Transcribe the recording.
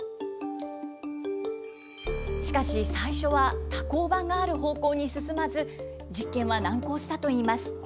しかし、最初は、多孔板がある方向に進まず、実験は難航したといいます。